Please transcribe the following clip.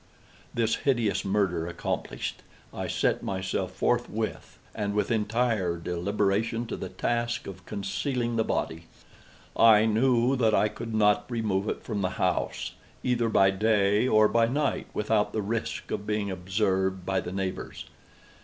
This hideous murder accomplished, I set myself forthwith, and with entire deliberation, to the task of concealing the body. I knew that I could not remove it from the house, either by day or by night, without the risk of being observed by the neighbors.